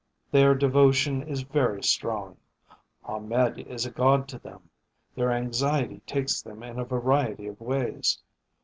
"Their devotion is very strong. Ahmed is a god to them. Their anxiety takes them in a variety of ways.